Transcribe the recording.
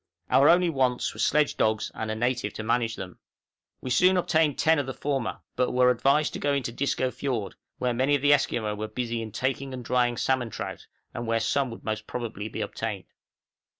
Our only wants were sledge dogs and a native to manage them. We soon obtained ten of the former, but were advised to go into Disco Fiord, where many of the Esquimaux were busy in taking and drying salmon trout, and where some would most probably be obtained.